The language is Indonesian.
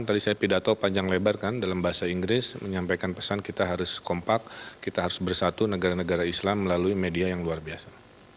tadi saya pidato panjang lebar kan dalam bahasa inggris menyampaikan pesan kita harus kompak kita harus bersatu negara negara islam melalui media yang luar biasa